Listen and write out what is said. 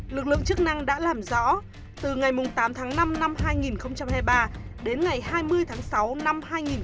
lực lượng chức năng đã làm rõ từ ngày tám tháng năm năm hai nghìn hai mươi ba đến ngày hai mươi tháng sáu năm hai nghìn hai mươi ba